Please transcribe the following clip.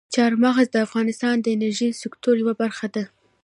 چار مغز د افغانستان د انرژۍ د سکتور یوه برخه ده.